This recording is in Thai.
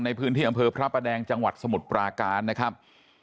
ในพื้นที่อำเภอพระประแดงจังหวัดสมุทรปราการนะครับ